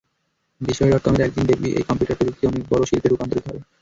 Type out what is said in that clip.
বিষয় ডটকমের, একদিন দেখবি, এই কম্পিউটার প্রযুক্তি অনেক বড় শিল্পে রুপান্তরিত হবে।